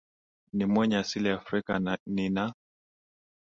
ni wenye asili ya Afrika ni na